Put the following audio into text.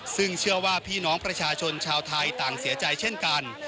ซึ่งเชื่อว่าพี่น้องประชาชนชาวไทยต่างเสียใจเช่นกัน